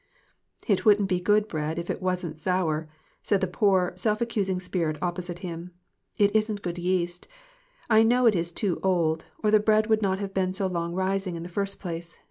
" It wouldn't be good bread if it wasn't sour," said the poor, self accusing spirit opposite him ; "it isn't good yeast. I know it is too old, or the bread would not have been so long rising in the first place.